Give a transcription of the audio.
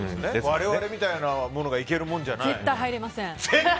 我々のようなものがいける世界じゃない。